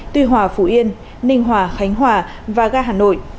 tuy hòa phú yên ninh hòa khánh hòa và ga hà nội